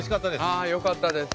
あよかったです。